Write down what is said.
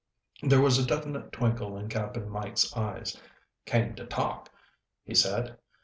There was a definite twinkle in Cap'n Mike's eyes. "Came to talk," he said.